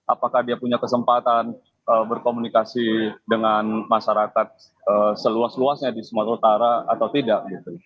apakah dia punya kesempatan berkomunikasi dengan masyarakat seluas luasnya di sumatera utara atau tidak